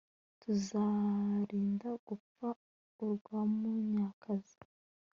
tutazalinda gupfa urwa munyakazi